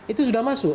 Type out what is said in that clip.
itu sudah masuk